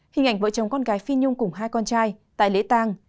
hình ảnh vợ chồng con gái phi nhung cùng hai con trai tại lễ tàng